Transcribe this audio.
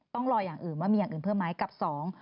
ต้องรออย่างอื่นว่ามีอย่างอื่นเพิ่มไหมกับสอง